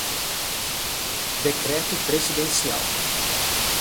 Decreto presidencial